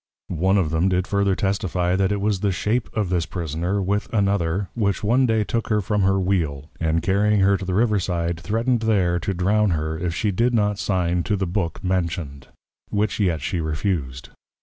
One of them did further testifie, that it was the Shape of this Prisoner, with another, which one day took her from her Wheel, and carrying her to the Riverside, threatned there to Drown her, if she did not Sign to the Book mentioned: which yet she refused.